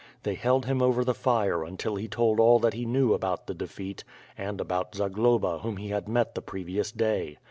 They held him over the fire until he told all that he knew about the defeat, and about Zagloba whom he had met the previous day.